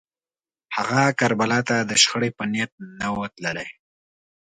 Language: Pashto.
هغه کربلا ته د شخړې په نیت نه و تللی